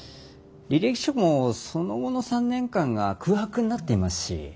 履歴書もその後の３年間が空白になっていますし。